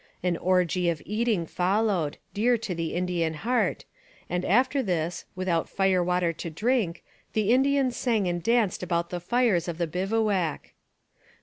An orgy of eating followed, dear to the Indian heart, and after this, without fire water to drink, the Indians sang and danced about the fires of the bivouac.